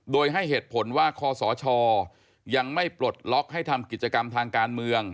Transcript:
โดยให้เหตุผลว่าคอสชยังไม่ปลดล็อกให้ทำกิจกรรมทางการเมือง